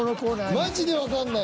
マジでわかんない。